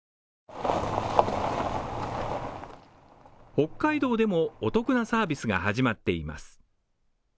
北海道でもお得なサービスが始まっています。